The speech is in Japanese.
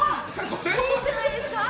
いいんじゃないですか？